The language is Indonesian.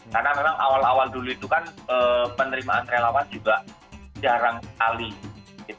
karena memang awal awal dulu itu kan penerimaan relawan juga jarang sekali